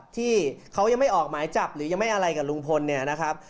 ที่เขายังไม่ออกหมายจับหรือยังไม่อะไรกับลุงพลเนี่ยนะครับ